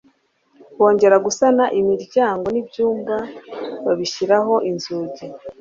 bongera gusana imiryango, n'ibyumba babishyiraho inzugi